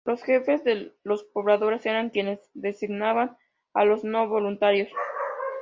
Los jefes de los poblados eran quienes designaban a los no voluntarios.